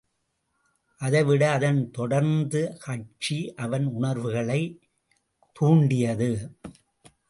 அதைவிட அதன் தொடர்ந்த காட்சி அவன் உணர்வுகளைத் துண்டியது.